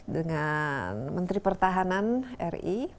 dengan menteri pertahanan ri